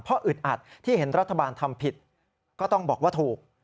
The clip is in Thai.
เพราะอึดอัดที่เห็นรัฐบาลทำผิดก็ต้องบอกว่าถูก